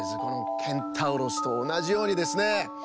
このケンタウロスとおなじようにですね